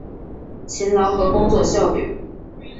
勤劳和工作效率